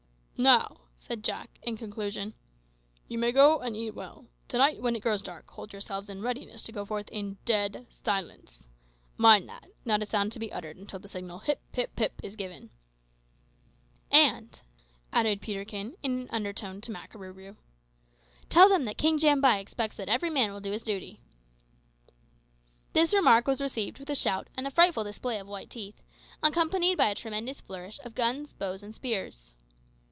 "Now," said Jack in conclusion, "you may go and eat well. To night, when it grows dark, hold yourselves in readiness to go forth in dead silence. Mind that: not a sound to be uttered until the signal, `Hip, hip, hip!' is given." "And," added Peterkin, in an undertone to Makarooroo, "tell them that King Jambai expects that every man will do his duty." This remark was received with a shout and a frightful display of white teeth, accompanied by a tremendous flourish of guns, bows, and spears.